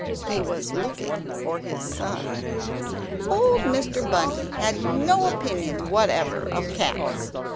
He was looking for his son. Old Mr. Bunny had no opinion whatever of cats.